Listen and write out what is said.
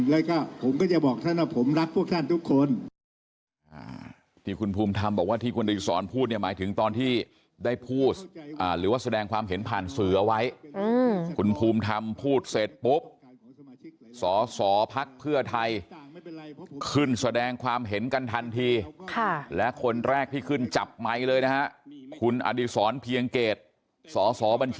แล้วก็ผมก็จะบอกท่านว่าผมรักพวกท่านทุกคน